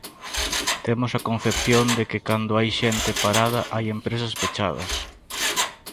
Temos a concepción de que cando hai xente parada hai empresas pechadas.